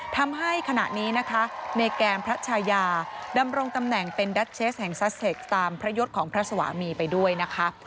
ทำให้ขณะนี้นะคะเนแกนพระชายาดำรงตำแหน่งเป็นดัชเชสแห่งซัสเทคตามพระยศของพระสวามีไปด้วยนะคะ